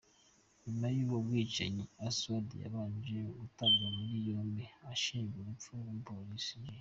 Nyuma y’ubwo bwicanyi, Oswald yabanje gutabwa muri yombi ashinjwa urupfu rw’umupolisi J.